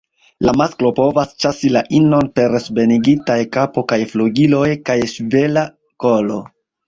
La masklo povas ĉasi la inon per subenigitaj kapo kaj flugiloj kaj ŝvela kolo.